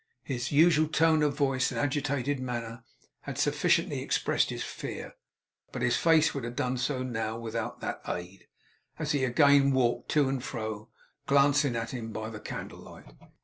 His unusual tone of voice and agitated manner had sufficiently expressed his fear; but his face would have done so now, without that aid, as he again walked to and fro, glancing at him by the candelight.